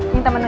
minta menu ya